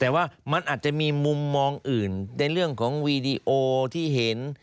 แต่ว่ามันอาจจะมีมุมมองอื่นในเรื่องของวีดีโอที่เห็น